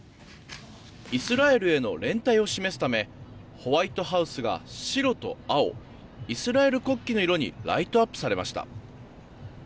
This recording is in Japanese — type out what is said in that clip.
イスラエルへの連帯を示すためホワイトハウスが白と青イスラエル国旗の色にライトアップされました。